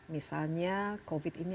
misalnya covid ini